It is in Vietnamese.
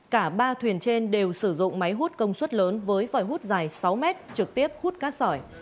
cả ba thuyền trên đều sử dụng máy hút công suất lớn với vòi hút dài sáu mét trực tiếp hút cát sỏi